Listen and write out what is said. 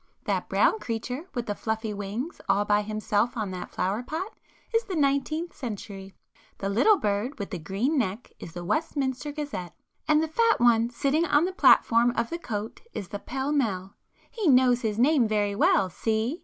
That brown creature with the fluffy wings all by himself on that flower pot is the 'Nineteenth Century,'—the little bird with the green neck is the 'Westminster Gazette,' and the fat one sitting on the platform of the cote is the 'Pall Mall.' He knows his name very well—see!"